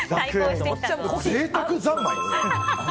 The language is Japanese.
贅沢三昧だよ。